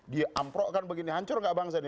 diamprokan begini hancur gak bangsa ini